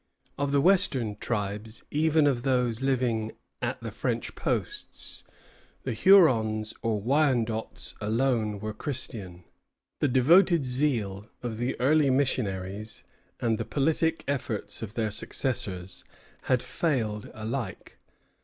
Of the western tribes, even of those living at the French posts, the Hurons or Wyandots alone were Christian. The devoted zeal of the early missionaries and the politic efforts of their successors had failed alike.